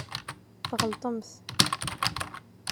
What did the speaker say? Tɣelṭemt.